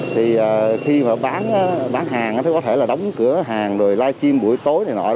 thì khi bán hàng thì có thể đóng cửa hàng rồi live stream buổi tối này nọ